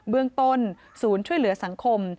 เบื้องต้นศูนย์ช่วยเหลือสังคม